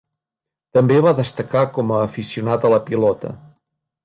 També va destacar com a aficionat a la Pilota.